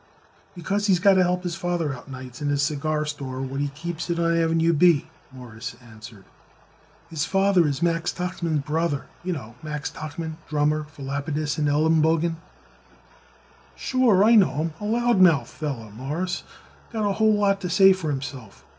"Because he's got to help his father out nights in his cigar store what he keeps it on Avenue B," Morris answered. "His father is Max Tuchman's brother. You know Max Tuchman, drummer for Lapidus & Elenbogen?" "Sure I know him a loud mouth feller, Mawruss; got a whole lot to say for himself.